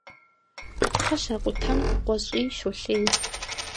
Пхъэ щакъутэм къуэщӀий щолъей.